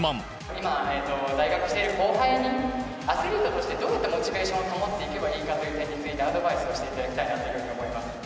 今、在学している後輩に、アスリートとしてどういったモチベーションを保っていけばいいかという点について、アドバイスをしていただきたいなというふうに思います。